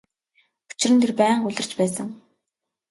Учир нь тэр байнга улирч байсан.